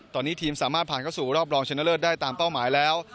ตอนนี้ทีมสามารถผ่านเข้าสู่รอบรองชนะเลิศได้ตามเป้าหมายแล้ว